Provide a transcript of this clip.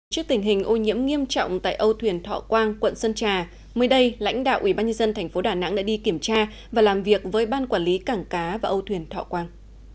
trước tình hình ô nhiễm nghiêm trọng tại âu thuyền thọ quang quận sơn trà mới đây lãnh đạo ubnd tp đà nẵng đã đi kiểm tra và làm việc với ban quản lý cảng cá và âu thuyền thọ quang